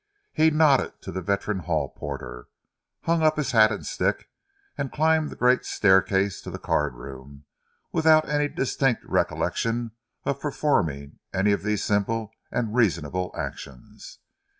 He nodded to the veteran hall porter, hung up his hat and stick, and climbed the great staircase to the card room without any distinct recollection of performing any of these simple and reasonable actions.